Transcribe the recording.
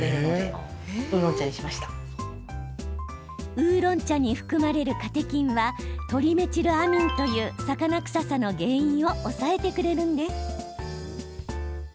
ウーロン茶に含まれるカテキンはトリメチルアミンという魚臭さの原因を抑えてくれるんです。